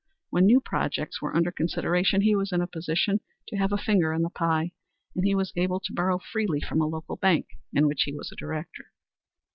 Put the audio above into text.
When new projects were under consideration he was in a position to have a finger in the pie, and he was able to borrow freely from a local bank in which he was a director.